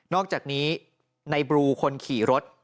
อกจากนี้ในบลูคนขี่รถ